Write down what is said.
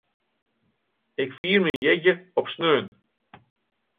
Ik fier myn jierdei op saterdei.